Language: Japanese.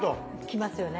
きますよね。